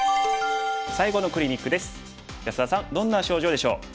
安田さんどんな症状でしょう？